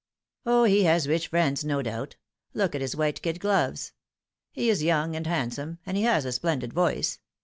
" O, he has rich friends, no doubt. Look at his white kid gloves. He is young and handsome, and he has a splendid voice.